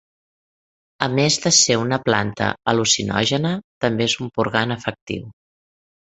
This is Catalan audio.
A més de ser una planta al·lucinògena també és un purgant efectiu.